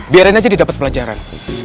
biarin aja dia dapat pelajaran